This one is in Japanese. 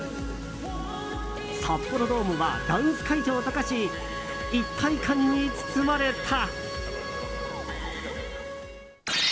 札幌ドームはダンス会場と化し一体感に包まれた。